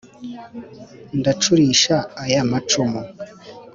ndacurisha aya macumu,